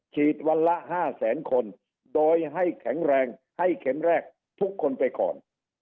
ฉีดวันละ๕แสนคนโดยให้แข็งแรงให้เข็มแรกทุกคนไปก่อน